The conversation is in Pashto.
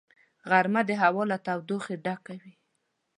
غرمه د هوا له تودوخې ډکه وي